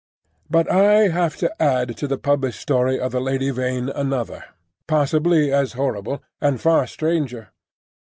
But I have to add to the published story of the Lady Vain another, possibly as horrible and far stranger.